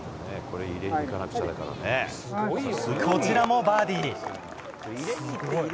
こちらもバーディー。